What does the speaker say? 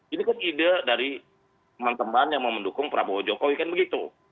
ini kan ide dari teman teman yang mau mendukung prabowo jokowi kan begitu